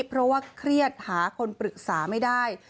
เพราะว่าเครียดหาคนปรึกษาไม่ได้